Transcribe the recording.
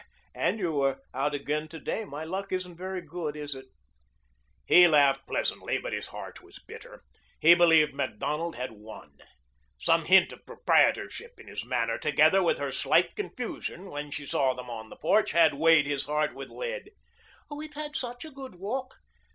"And you were out again to day. My luck isn't very good, is it?" He laughed pleasantly, but his heart was bitter. He believed Macdonald had won. Some hint of proprietorship in his manner, together with her slight confusion when she saw them on the porch, had weighted his heart with lead. "We've had such a good walk."